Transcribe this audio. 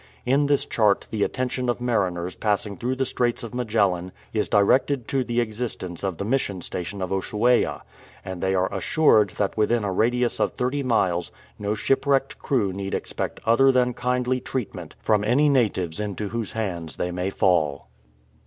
In this chart the attention of mariners passing through the Straits of Magellan is directed to the existence of the mission station of Ushuaia; and they are assured that within a radius of thirty miles no shipwrecked crew need expect other 268 SOURCES OF THE NARRATIVE than kindly treatment from any natives into whose hands they may fall.